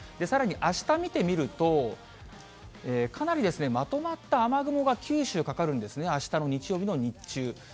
さらにあした見てみると、かなりまとまった雨雲が九州かかるんですね、あしたの日曜日の日中。